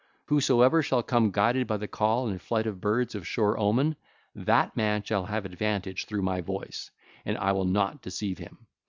Whosoever shall come guided by the call and flight of birds of sure omen, that man shall have advantage through my voice, and I will not deceive him.